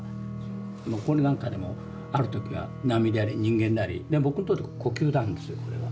これなんかでもある時は波であり人間であり僕にとって呼吸なんですよこれは。